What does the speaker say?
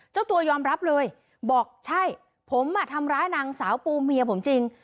เจ้าตัวยอมรับเลยบอกใช่ผมทำร้ายนางสาวปูเมียผมจริง